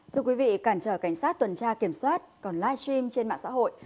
thưa quý vị cản trở cảnh sát tuần tra kiểm soát còn live stream trên mạng xã hội